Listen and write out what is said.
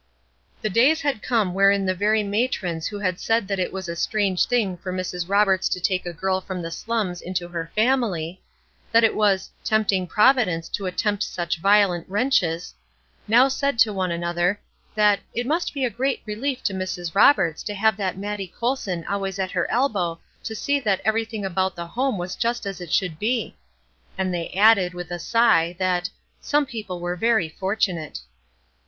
The days had come wherein the very matrons who had said that it was a strange thing for Mrs. Roberts to take a girl from the slums into her family that it was "tempting Providence to attempt such violent wrenches" now said one to another, that "it must be a great relief to Mrs. Roberts to have that Mattie Colson always at her elbow to see that everything about the home was just as it should be;" and they added, with a sigh, that "some people were very fortunate."